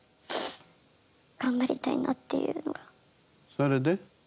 それで？